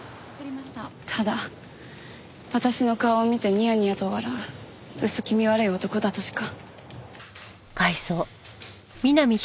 ただ私の顔を見てニヤニヤと笑う薄気味悪い男だとしか。